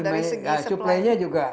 nah supplynya juga